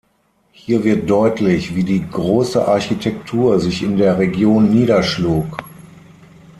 Hier wird deutlich, wie die „große“ Architektur sich in der Region niederschlug.